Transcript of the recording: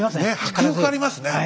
迫力ありますね。